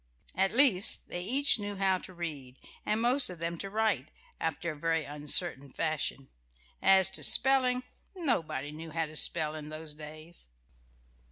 At least, they each knew how to read, and most of them to write, after a very uncertain fashion. As to spelling, nobody knew how to spell in those days....